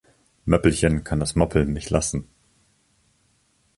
Möppelchen kann das moppeln nicht lassen.